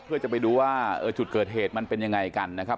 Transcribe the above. เพื่อจะไปดูว่าจุดเกิดเหตุมันเป็นยังไงกันนะครับ